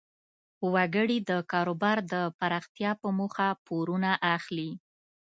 وګړي د کاروبار د پراختیا په موخه پورونه اخلي.